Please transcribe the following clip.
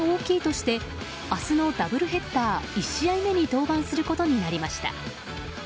負担が大きいとして明日のダブルヘッダー１試合目に登板することになりました。